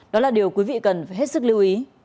đó là điều quý vị cần phải hết sức lưu ý